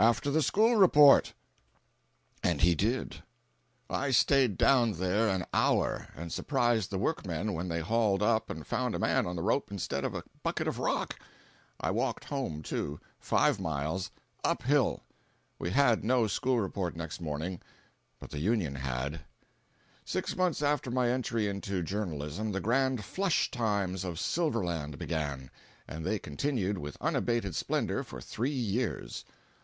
"After the school report!" 302.jpg (71K) And he did. I staid down there an hour, and surprised the workmen when they hauled up and found a man on the rope instead of a bucket of rock. I walked home, too—five miles—up hill. We had no school report next morning; but the Union had. Six months after my entry into journalism the grand "flush times" of Silverland began, and they continued with unabated splendor for three years.